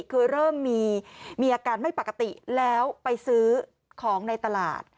คือเริ่มมีอาการไม่ปกติแล้วไปซื้อของในตลาด